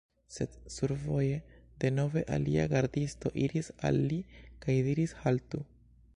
Sed survoje, denove alia gardisto iris al li kaj diris: "Haltu